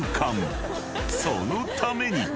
［そのために］